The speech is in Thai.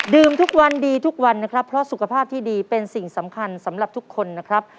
ทุกวันดีทุกวันนะครับเพราะสุขภาพที่ดีเป็นสิ่งสำคัญสำหรับทุกคนนะครับ